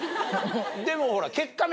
でもほら。